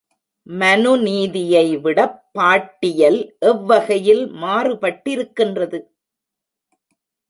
மனுநீதியை விடப் பாட்டியல் எவ்வகையில் மாறுபட்டிருக்கின்றது?